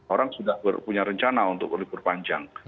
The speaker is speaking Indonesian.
orang sudah punya rencana untuk berlibur panjang